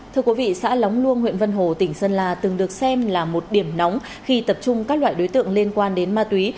thưa quý vị xã lóng luông huyện vân hồ tỉnh sơn la từng được xem là một điểm nóng khi tập trung các loại đối tượng liên quan đến ma túy